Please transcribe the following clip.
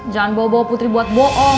jangan bobo putri buat bohong